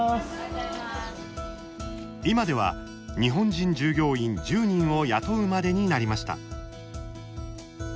今では、日本人従業員１０人を雇うまでになりました。